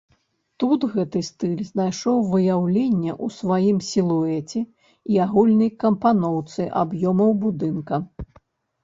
Тут гэты стыль знайшоў выяўленне ў сваім сілуэце і агульнай кампаноўцы аб'ёмаў будынка.